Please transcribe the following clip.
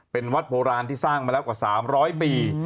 เป็นวัดโบราณที่สร้างมาแล้วกว่า๓๐๐ปี